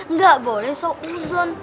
nggak boleh souzon